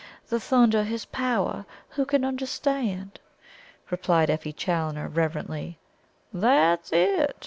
The thunder of His power, who can understand?'" replied Effie Challoner reverently. "That's it!"